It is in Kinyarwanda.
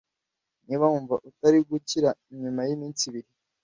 Niba wumva utari gukira nyuma y’iminsi ibiri